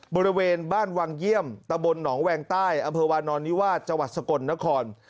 บริเวณบ้านวังเยี่ยมตะบลหนองแวงใต้อำเภอวานอนนิวาสจังหวัดสกลนคร